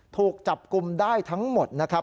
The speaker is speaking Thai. ถูกจับกลุ่มได้ทั้งหมดนะครับ